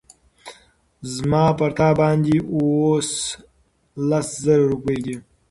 زما پر تا باندي اوس لس زره روپۍ دي